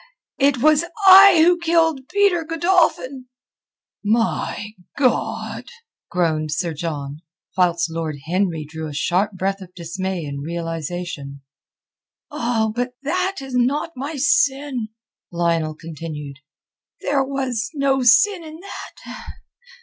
it was I who killed Peter Godolphin." "My God!" groaned Sir John, whilst Lord Henry drew a sharp breath of dismay and realization. "Ah, but that is not my sin," Lionel continued. "There was no sin in that.